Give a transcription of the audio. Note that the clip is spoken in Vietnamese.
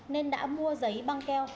nên đã mua giấy băng keo